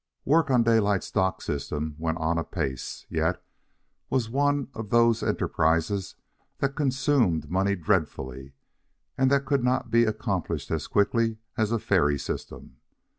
Work on Daylight's dock system went on apace, yet was one of those enterprises that consumed money dreadfully and that could not be accomplished as quickly as a ferry system.